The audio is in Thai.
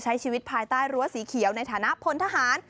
ใช้ชีวิตภายใต้รั้วสีเขียวในฐานะพลทหาร